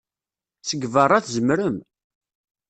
Seg beṛṛa, tzemrem.